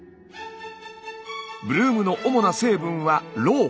ブルームの主な成分はろう。